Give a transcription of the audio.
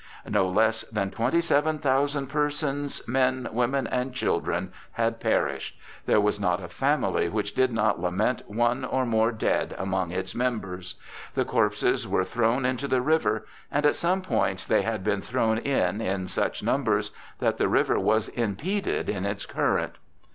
No less than twenty seven thousand persons, men, women, and children, had perished; there was not a family which did not lament one or more dead among its members. The corpses were thrown into the river, and at some points they had been thrown in in such numbers that the river was impeded in its current.